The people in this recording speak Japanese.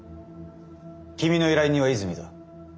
君の依頼人は泉だ。